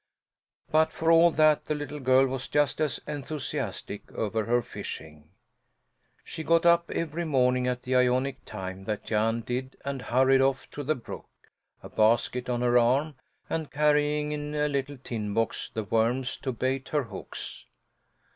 But for all that the little girl was just as enthusiastic over her fishing. She got up every morning at the ionic time that Jan did and hurried off to the brook, a basket on her arm, and carrying in a little tin box the worms to bait her hooks.